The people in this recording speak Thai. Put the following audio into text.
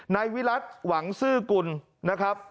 นายวิรัติหวังซื่อกุลนะครับ